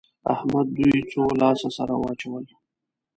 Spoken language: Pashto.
احمد دوی څو لاس سره واچول؟